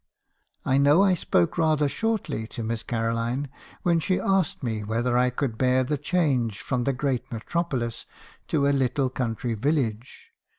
I know I spoke rather shortly to Miss Caroline when she asked me whether I could bear the change from 'the great metropolis' to a little country village.